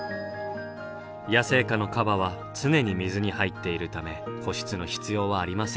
野生下のカバは常に水に入っているため保湿の必要はありませんが。